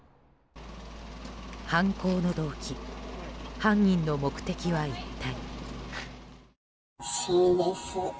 犯行の動機犯人の目的は一体。